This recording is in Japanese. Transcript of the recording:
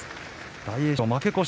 大栄翔、負け越し。